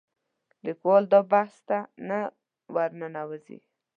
لیکوال دا بحث ته نه ورننوځي